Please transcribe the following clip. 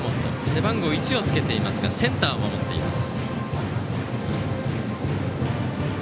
背番号１をつけていますがセンターを守っています。